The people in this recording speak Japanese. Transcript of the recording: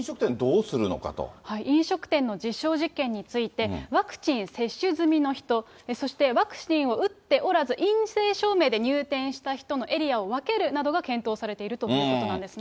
飲食店の実証実験について、ワクチン接種済みの人、そしてワクチンを打っておらず陰性証明で入店した人のエリアを分けるなどが検討されているということなんですね。